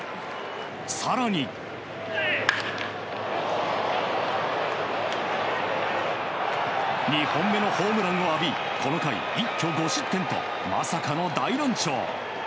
更に、２本目のホームランを浴びこの回、一挙５失点とまさかの大乱調。